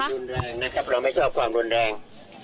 เราไม่ชอบความรุนแรงนะครับเราไม่ชอบความรุนแรง